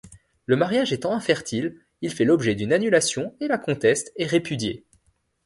Le mariage étant infertile, il fait l'objet d'une annulation et la comtesse est répudiée.